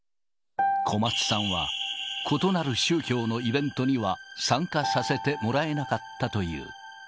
小松さんは、異なる宗教のイベントには参加させてもらえなかったという。